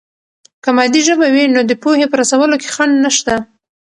که مادي ژبه وي، نو د پوهې په رسولو کې خنډ نشته.